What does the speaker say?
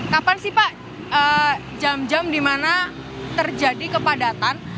kapan sih pak jam jam di mana terjadi kepadatan